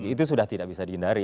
itu sudah tidak bisa dihindari